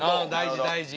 大事大事。